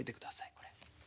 これ。